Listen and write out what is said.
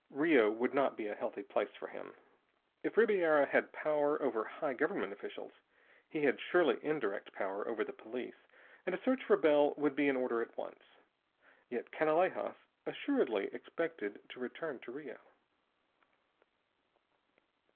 Rio would not be a healthy place for him. If Ribiera had power over high government officials, he had surely indirect power over the police, and a search for Bell would be in order at once. Yet Canalejas assuredly expected to return to Rio.